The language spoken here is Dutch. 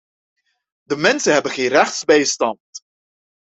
De mensen hebben geen rechtsbijstand.